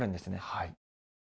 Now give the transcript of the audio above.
はい。